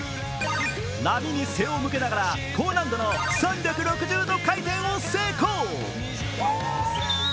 波に背を向けながら、高難度の３６０度回転を成功。